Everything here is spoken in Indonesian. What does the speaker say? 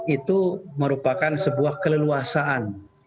itu merupakan sebuah keleluasaan